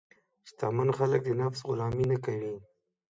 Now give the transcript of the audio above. شتمن خلک د نفس غلامي نه کوي.